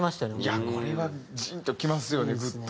いやこれはジーンときますよねグッと。